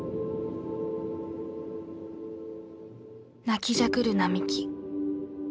泣きじゃくる並木。